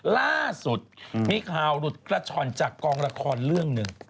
ล่าสุดมีข่าวหลุดกระช่อนจากกองละครเรื่องหนึ่ง